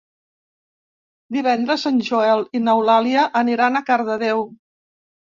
Divendres en Joel i n'Eulàlia aniran a Cardedeu.